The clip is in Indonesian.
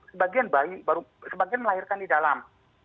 sebagian bayi baru sebagian melahirkan di dalam